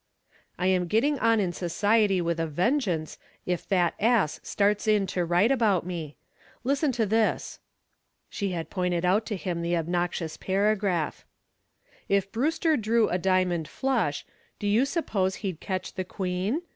"I am getting on in society with a vengeance if that ass starts in to write about me. Listen to this" she had pointed out to him the obnoxious paragraph "If Brewster Drew a diamond flush, do you suppose he'd catch the queen?